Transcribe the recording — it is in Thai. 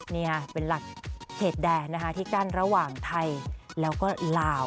นี่เป็นหลักเขตแดนนะคะที่กั้นระหว่างไทยแล้วก็ลาว